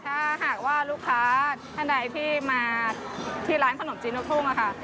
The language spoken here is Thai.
ถ้าหากว่าลูกค้าท่านใดที่มาที่ร้านขนมจีนลูกทุ่งค่ะ